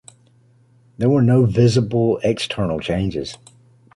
There were no visible external changes.